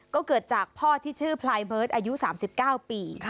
ก็เกิดจากพ่อที่ชื่อพลายเบิร์ตอายุ๓๙ปี